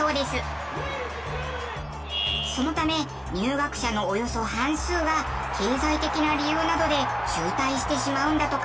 そのため入学者のおよそ半数が経済的な理由などで中退してしまうんだとか。